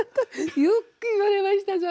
よく言われましたそれ。